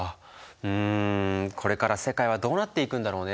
うんこれから世界はどうなっていくんだろうね？